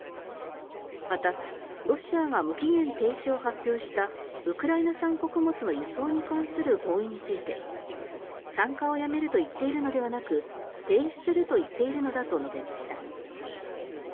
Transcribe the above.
また、ロシアが無期限停止を発表したウクライナ産穀物の輸送に関する合意について参加をやめると言っているのではなく停止すると言っているのだと述べました。